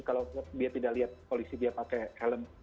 kalau dia tidak lihat polisi dia pakai helm